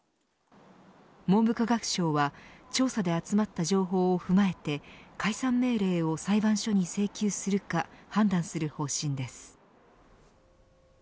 文部科学省は調査で集まった情報を踏まえて解散命令を裁判所に請求するか判断する方針です。